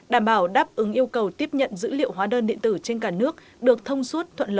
đảm bảo đáp ứng yêu cầu tiếp nhận dữ liệu hóa đơn điện tử trên cả nước được thông suốt thuận lợi